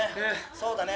そうだね。